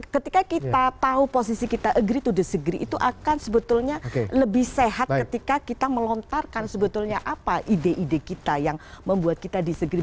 ketika kita tahu posisi kita agree to the sagree itu akan sebetulnya lebih sehat ketika kita melontarkan sebetulnya apa ide ide kita yang membuat kita disegree